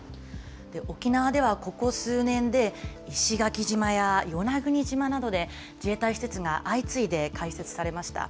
沖縄ではここ数年で、石垣島や与那国島などで自衛隊施設が相次いで開設されました。